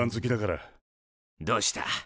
どうした？